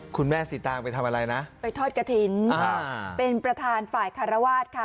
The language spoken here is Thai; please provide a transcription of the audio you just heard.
คุณแม่สีตางไปทำอะไรนะไปทอดกระถิ่นเป็นประธานฝ่ายคารวาสค่ะ